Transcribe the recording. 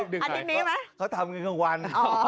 เขาทำอย่างกางวัน